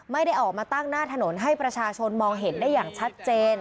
ไม่ได้ออกมาตั้งหน้าถนนให้ประชาชนมองเห็นได้อย่างชัดเจน